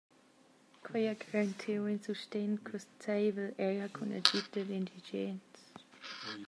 Quei ha garantiu in sustegn cuzzeivel, era cun agid dad indigens.